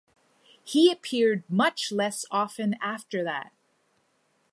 He appeared much less often after that.